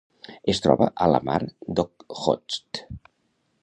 Es troba a la Mar d'Okhotsk.